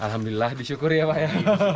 alhamdulillah disyukur ya pak ya